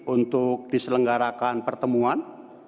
untuk diselenggarakan pertemuan